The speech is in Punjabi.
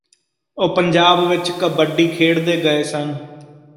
ਉਹ ਪੰਜਾਬ ਵਿਚ ਕਬੱਡੀ ਖੇਡਦੇ ਗਏ ਸਨ